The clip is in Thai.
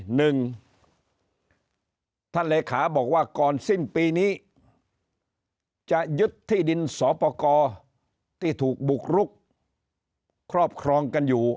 หนึ่งท่านเลขาบอกว่าก่อนสิ้นปีนี้จะยึดที่ดินสอปกรที่ถูกบุกรุกครอบครองกันอยู่